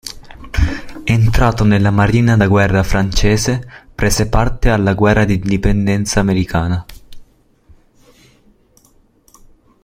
Entrato nella Marina da guerra francese, prese parte alla guerra di indipendenza americana.